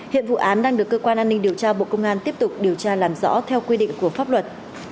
hiện vụ án đang được cơ quan an ninh điều tra bộ công an tiếp tục điều tra làm rõ theo quy định của pháp luật